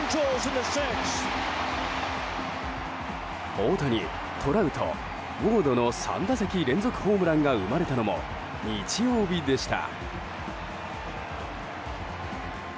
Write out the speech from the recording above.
大谷、トラウト、ウォードの３打席連続ホームランが生まれたのも日曜日でした。